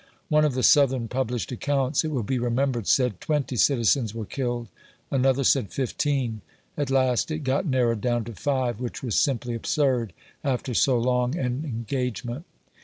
One of the Southern published accounts, it will be remembered, said twenty citizens were killed, another said fifteen. At last it got narrowed down to five, which was simply absurd, after so long an engagement.